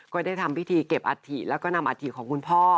ก็ได้ทำพิธีเก็บอัฐิแล้วก็นำอาธิของคุณพ่อ